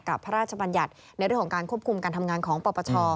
พระราชบัญญัติในเรื่องของการควบคุมการทำงานของปปช